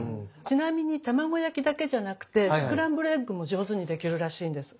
ちなみに卵焼きだけじゃなくてスクランブルエッグも上手にできるらしいんです。